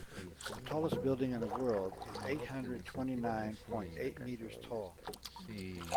The tallest building in the world is eight hundred twenty nine point eight meters tall.